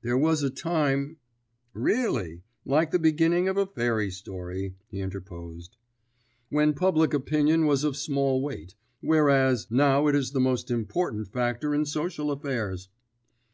"There was a time " "Really, like the beginning of a fairy story," he interposed. "When public opinion was of small weight, whereas now it is the most important factor in social affairs."